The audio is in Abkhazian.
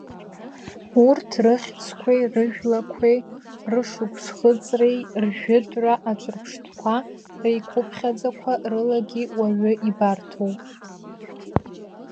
Урҭ рыхьӡқәеи рыжәлақәеи, рышықәсхыҵреи ржәытәра аҿырԥштәқәа реиқәыԥхьаӡақәа рылагьы уаҩы ибарҭоуп…